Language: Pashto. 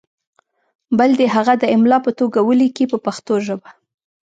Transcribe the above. بل دې هغه د املا په توګه ولیکي په پښتو ژبه.